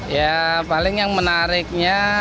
ya paling yang menariknya